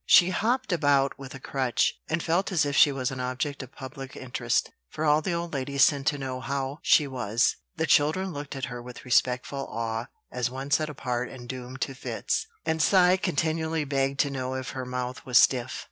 She hopped about with a crutch, and felt as if she was an object of public interest; for all the old ladies sent to know how she was, the children looked at her with respectful awe as one set apart and doomed to fits, and Cy continually begged to know if her mouth was stiff.